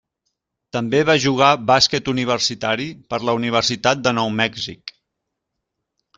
També va jugar bàsquet universitari per la Universitat de Nou Mèxic.